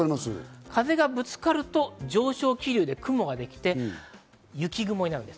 風がぶつかると上昇気流で雲ができて、雪雲になるんです。